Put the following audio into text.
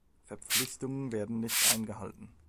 Verpflichtungen werden nicht eingehalten.